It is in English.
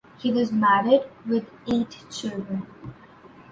He was married with eight children.